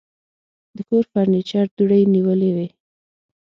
د کور فرنيچر دوړې نیولې وې.